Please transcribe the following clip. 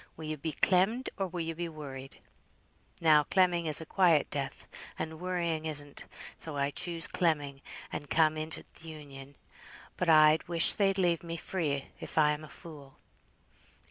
Will you be clemmed, or will you be worried?' Now clemming is a quiet death, and worrying isn't, so I choose clemming, and come into th' Union. But I wish they'd leave me free, if I am a fool."